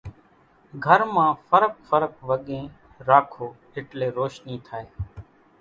گھر مان ڦرق ڦرق وڳين راکو ايٽلي روشني ٿائي۔